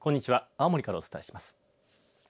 青森からお伝えします。